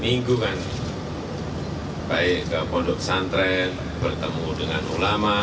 minggu kan baik ke pondok pesantren bertemu dengan ulama